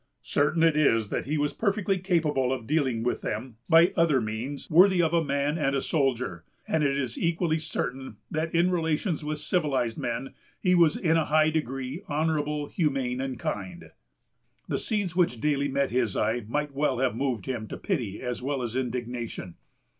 Certain it is, that he was perfectly capable of dealing with them by other means, worthy of a man and a soldier; and it is equally certain, that in relations with civilized men he was in a high degree honorable, humane, and kind. The scenes which daily met his eye might well have moved him to pity as well as indignation.